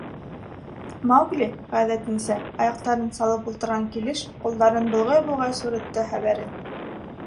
— Маугли, ғәҙәтенсә, аяҡтарын салып ултырған килеш ҡулдарын болғай-болғай сурытты хәбәрен.